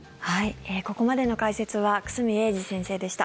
ここまでの解説は久住英二先生でした。